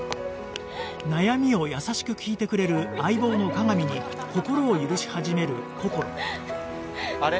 悩みを優しく聞いてくれる相棒の加賀美に心を許し始めるこころあれ？